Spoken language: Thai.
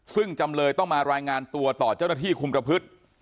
ซึ่งจำเลยต้องมารายงานตัวต่อเจ้าหน้าที่คุมประพฤติ